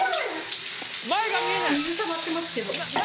みずたまってますけど。